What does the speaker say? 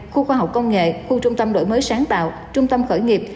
khu khoa học công nghệ khu trung tâm đổi mới sáng tạo trung tâm khởi nghiệp